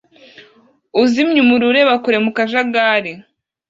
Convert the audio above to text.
Uzimya umuriro ureba kure mu kajagari